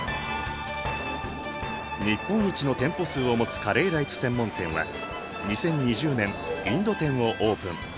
日本一の店舗数を持つカレーライス専門店は２０２０年インド店をオープン。